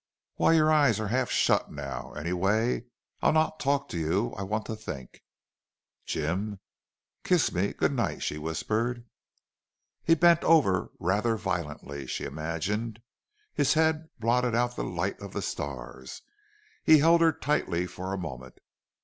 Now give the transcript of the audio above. "Why, your eyes are half shut now.... Anyway, I'll not talk to you. I want to think." "Jim!... kiss me good night," she whispered. He bent over rather violently, she imagined. His head blotted out the light of the stars. He held her tightly for a moment.